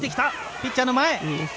ピッチャーの前。